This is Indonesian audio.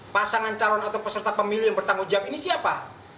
pasangan calon atau peserta pemilu yang bertanggung jawab ini siapa